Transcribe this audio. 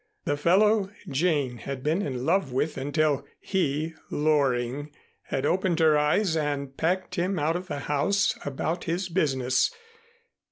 The fellow Jane had been in love with until he, Loring, had opened her eyes and packed him out of the house about his business.